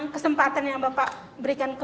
kesempatan yang bapak berikan